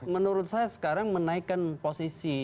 menurut saya sekarang menaikkan posisi